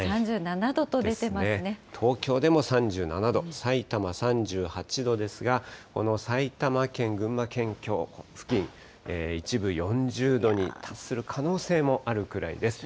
東京でも３７度、さいたま３８度ですが、この埼玉県、群馬県境付近、一部４０度に達する可能性もあるくらいです。